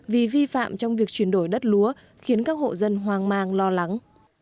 vì vi phạm trong việc chuyển đổi đất lúa khiến các hộ dân hoang mang lo lắng